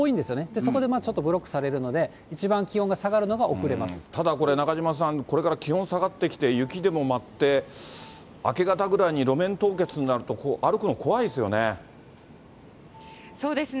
そこでちょっとブロックされるので、一番気温が下がるのが遅れまただこれ、中島さん、これから気温下がってきて、雪でも舞って、明け方ぐらいに路面凍結になると、歩くの怖いですよね。